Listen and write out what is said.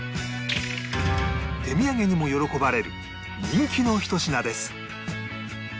手土産にも喜ばれる人気のひと品です